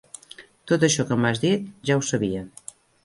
Tot això que m'has dit, ja ho sabia.